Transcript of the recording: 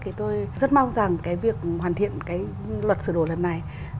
thì tôi rất mong rằng cái việc hoàn thiện cái luật sửa đổi lần này